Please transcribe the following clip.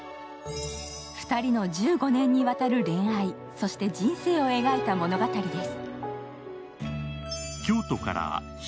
２人の１５年にわたる恋愛、そして人生を描いた物語です。